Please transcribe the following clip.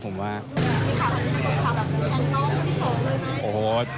มีคำว่าจะตกภาพแบบของนอกคนที่สองด้วยไหม